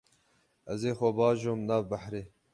Ez ê xwe bajom nav behrê.